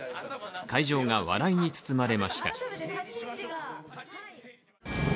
会場が笑いに包まれました。